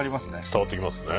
伝わってきますね。